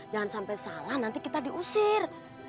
jangan sampai salah nanti kita diusir